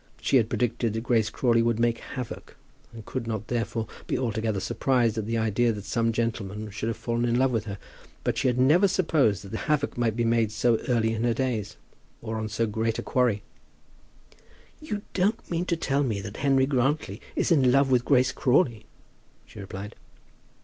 She had predicted that Grace Crawley would "make havoc," and could not, therefore, be altogether surprised at the idea that some gentleman should have fallen in love with her; but she had never supposed that the havoc might be made so early in her days, or on so great a quarry. "You don't mean to tell me that Henry Grantly is in love with Grace Crawley?" she replied.